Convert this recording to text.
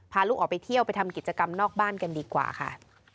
พาลูกออกไปเที่ยวไปทำกิจกรรมนอกบ้านกันดีกว่าค่ะ